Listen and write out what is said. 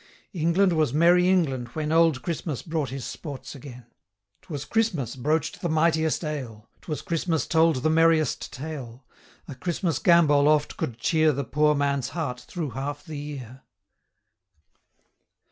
England was merry England, when 80 Old Christmas brought his sports again. 'Twas Christmas broach'd the mightiest ale; 'Twas Christmas told the merriest tale; A Christmas gambol oft could cheer The poor man's heart through half the year.